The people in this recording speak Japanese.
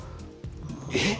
えっ？